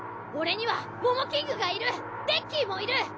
俺にはモモキングがいるデッキーもいる！